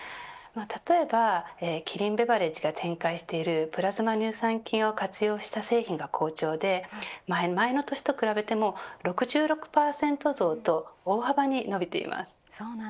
例えば、キリンビバレッジが展開しているプラズマ乳酸菌を活用した製品が好調で前の年と比べても６６％増と大幅に伸びています。